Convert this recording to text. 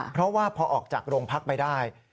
เพราะว่าพอออกจากโรงพักไปได้